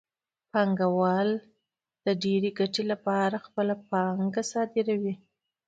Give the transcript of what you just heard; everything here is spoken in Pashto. پانګوال د ډېرې ګټې لپاره خپله پانګه صادروي